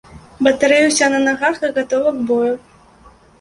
Батарэя ўся на нагах і гатова к бою.